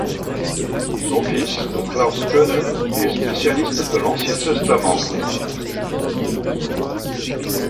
Son fils Klaus Koenen est spécialiste de l'Ancien Testament.